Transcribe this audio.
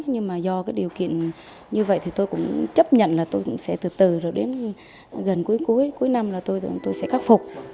nhưng mà do cái điều kiện như vậy thì tôi cũng chấp nhận là tôi cũng sẽ từ từ rồi đến gần cuối cuối cuối năm là tôi sẽ khắc phục